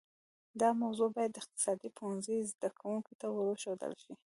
دا موضوع باید د اقتصاد پوهنځي زده کونکو ته ورښودل شي